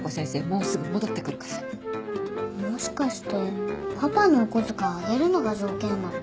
もしかしてパパのお小遣い上げるのが条件だったの？